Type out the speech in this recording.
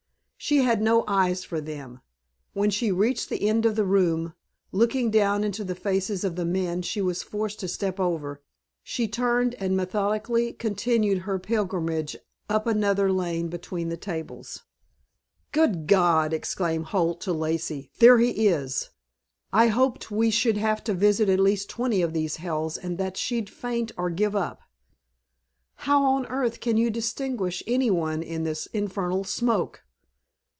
She had no eyes for them. When she reached the end of the room, looking down into the faces of the men she was forced to step over, she turned and methodically continued her pilgrimage up another lane between the tables. "Good God!" exclaimed Holt to Lacey. "There he is! I hoped we should have to visit at least twenty of these hells, and that she'd faint or give up." "How on earth can you distinguish any one in this infernal smoke?"